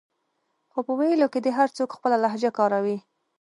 خو په ویلو کې دې هر څوک خپله لهجه کاروي